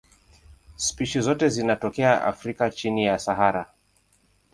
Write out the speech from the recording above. Spishi zote zinatokea Afrika chini ya Sahara.